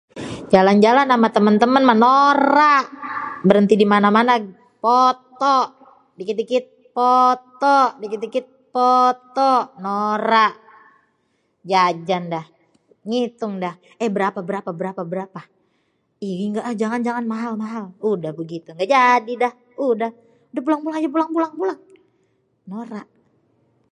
Jalan-jalan ama temen-temen mah norak. Berhenti di mana-mana poto, dikit-dikit poto, dikit-dikit poto. Norak. Jajan dah. Ngitung dah. Eh berapa, berapa, berapa, berapa. Ih nggak ah jangan, jangan, mahal, mahal, mahal. Udah begitu. Gak jadi dah, udah. Udah pulang aja pulang, pulang, pulang. Norak.